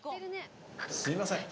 すみません